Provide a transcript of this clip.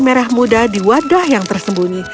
merah muda di wadah yang tersembunyi